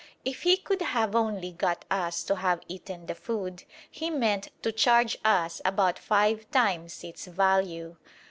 If he could have only got us to have eaten the food, he meant to charge us about five times its value.